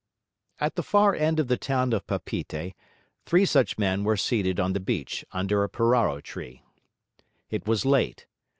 At the far end of the town of Papeete, three such men were seated on the beach under a purao tree. It was late.